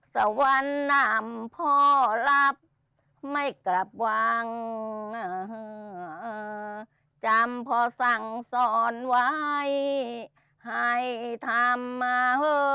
สวรรค์นำพ่อรับไม่กลับวังจำพอสั่งสอนไว้ให้ทำมา